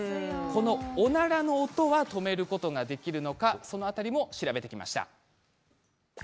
おならの音は止めることができるのかその辺りを調べてきました。